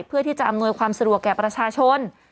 ที่จะอำนวยความสะดวกแก่ประชาชน